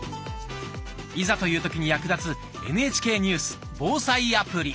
いざという時に役立つ「ＮＨＫニュース・防災アプリ」。